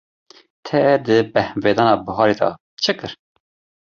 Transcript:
Te di bêhnvedana biharê de çi kir?